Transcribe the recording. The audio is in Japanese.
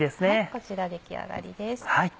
こちら出来上がりです。